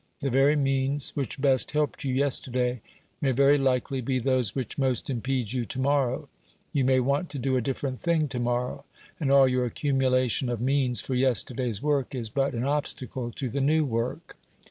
The very means which best helped you yesterday, may very likely be those which most impede you to morrow you may want to do a different thing to morrow, and all your accumulation of means for yesterday's work is but an obstacle to the new work.